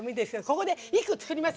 ここで、一句作ります。